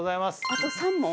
あと３問？